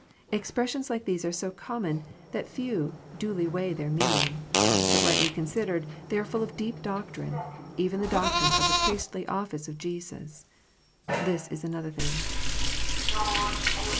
Expressions like these are so common, that few duly weigh their meaning. But rightly considered, they are full of deep doctrine, even the doctrine of the priestly office of Jesus. This is another thing.